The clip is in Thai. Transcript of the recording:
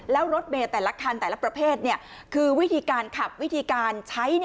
แล้วรถเมย์แต่ละคันแต่ละประเภทคือวิธีการขับวิธีการใช้